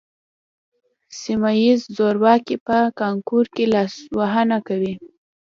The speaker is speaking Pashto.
سیمه ییز زورواکي په کانکور کې لاسوهنه کوي